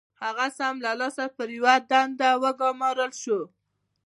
هغه سم له لاسه پر يوه دنده وګومارل شو.